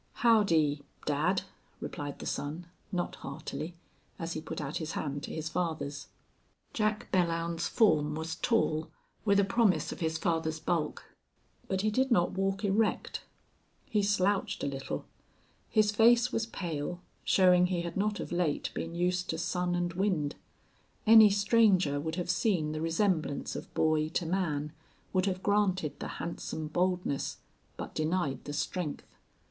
"Howdy dad!" replied the son, not heartily, as he put out his hand to his father's. Jack Belllounds's form was tall, with a promise of his father's bulk. But he did not walk erect; he slouched a little. His face was pale, showing he had not of late been used to sun and wind. Any stranger would have seen the resemblance of boy to man would have granted the handsome boldness, but denied the strength.